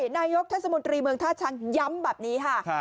นายกเทศมนตรีเมืองท่าช้างย้ำแบบนี้ค่ะ